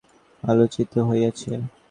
রাজযোগে প্রায় এই বিষয়ই আলোচিত হইয়াছে।